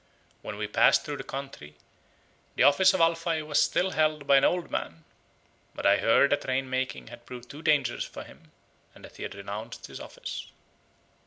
When we passed through the country, the office of Alfai was still held by an old man; but I heard that rain making had proved too dangerous for him and that he had renounced his office."